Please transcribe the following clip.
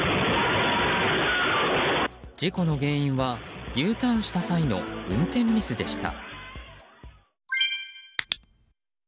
事故の原因はＵターンした際の運転ミスでした。